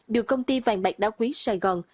được công ty vàng bạc đá quý sài gòn